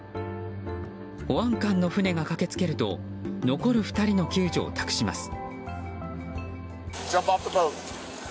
保安官の船が駆け付けると残る２人の救助を託します。